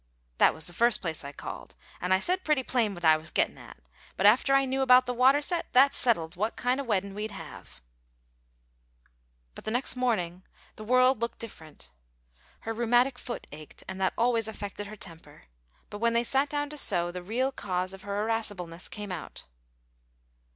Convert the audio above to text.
"That was the first place I called, and I said pretty plain what I was gittin' at; but after I knew about the water set, that settled what kind of weddin' we'd have." But the next morning the world looked different. Her rheumatic foot ached, and that always affected her temper; but when they sat down to sew, the real cause of her irascibleness came out.